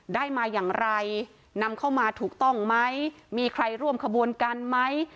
ได้มาอย่างไรนำเข้ามาถูกต้องไหมมีใครร่วมขบวนการไหม